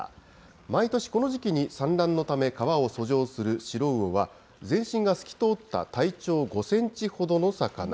毎年、この時期に産卵のため川を遡上するシロウオは、全身が透き通った体長５センチほどの魚。